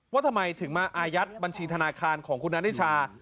ว่าทำไมถึงมาอายัดบัญชีธนาคารของคุณนานิชา